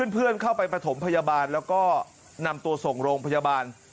เพื่อนเข้าไปประถมพยาบาลแล้วก็นำตัวส่งโรงพยาบาล